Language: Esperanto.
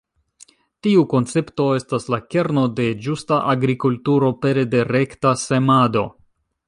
Tiu koncepto estas la kerno de ĝusta agrikulturo pere de rekta semado.